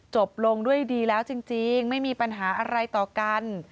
จบลงด้วยดีแล้วจริงไม่มีปัญหาอะไรต่อกัน